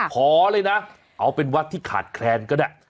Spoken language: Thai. ขอเลยนะเอาเป็นวัดที่ขาดแคลนก็ได้